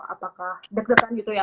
apakah deg degan gitu ya